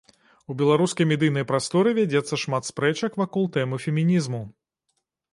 У беларускай медыйнай прасторы вядзецца шмат спрэчак вакол тэмы фемінізму.